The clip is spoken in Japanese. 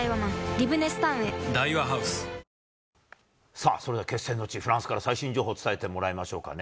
リブネスタウンへさあ、それでは決戦の地、フランスから最新情報を伝えてもらいましょうかね。